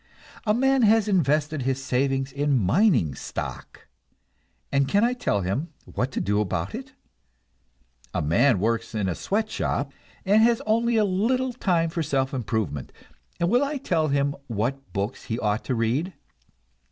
A man has invested his savings in mining stock, and can I tell him what to do about it? A man works in a sweatshop, and has only a little time for self improvement, and will I tell him what books he ought to read?